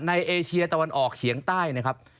เอเชียตะวันออกเฉียงใต้นะครับ